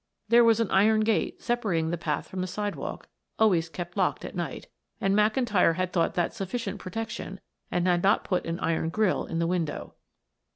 There was an iron gate separating the path from the sidewalk, always kept locked at night, and McIntyre had thought that sufficient protection and had not put an iron grille in the window.